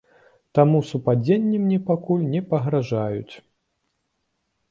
Таму супадзенні мне пакуль не пагражаюць.